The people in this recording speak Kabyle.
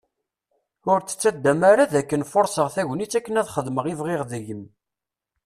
Ur tt-ttaddam ara d akken furseɣ tagnit akken ad xedmeɣ i bɣiɣ deg-m.